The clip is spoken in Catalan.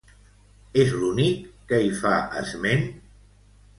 És l'únic que hi fa esment?